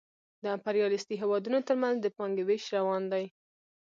د امپریالیستي هېوادونو ترمنځ د پانګې وېش روان دی